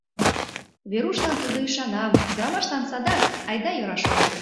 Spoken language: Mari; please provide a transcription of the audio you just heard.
Верушлан тудо ӱшана, ӱдырамашлан садак, айда-йӧра, шона.